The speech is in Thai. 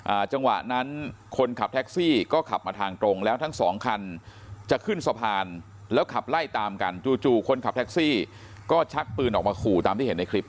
จังหวะนั้นคนขับแท็กซี่ก็ขับมาทางตรงแล้วทั้งสองคันจะขึ้นสะพานแล้วขับไล่ตามกันจู่จู่คนขับแท็กซี่ก็ชักปืนออกมาขู่ตามที่เห็นในคลิป